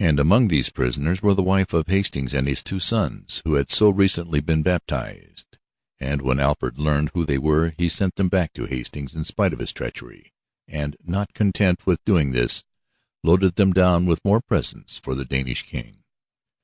And among these prisoners were the wife of Hastings and his two sons, who had so recently been baptized. And when Alfred learned who they were he sent them back to Hastings in spite of his treachery, and, not content with doing this, loaded them down with more presents for the Danish king.